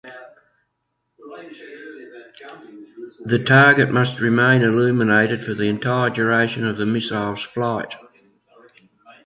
The target must remain illuminated for the entire duration of the missile's flight.